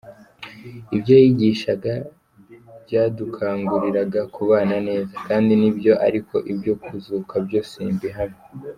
Ibyo yigishaga byadukanguriraga kubana neza , kandi nibyo, ariko ibyo kuzuka byo simbihamya.